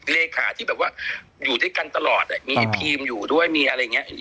เลขาที่แบบว่าอยู่ด้วยกันตลอดมีทีมอยู่ด้วยมีอะไรอย่างนี้